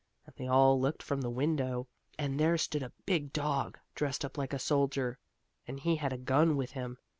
And they all looked from the window, and there stood a big dog, dressed up like a soldier, and he had a gun with him.